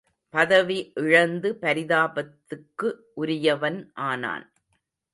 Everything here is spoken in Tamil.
பதவி இழந்து பரிதாபத்துக்கு உரியவன் ஆனான்.